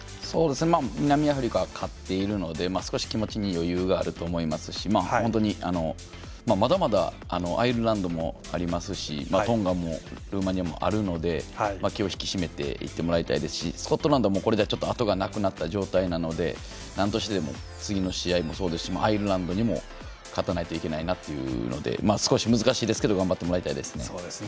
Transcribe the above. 南アフリカは勝っているので少し気持ちに余裕があると思いますしまだまだ、アイルランドもありますしトンガも、ルーマニアもあるので気を引き締めていってもらいたいですしスコットランドも、これでちょっと後がなくなった状態なのでなんとしてでも次の試合もそうですしアイルランドにも勝たないといけないなというので少し難しいですけど頑張ってもらいたいですね。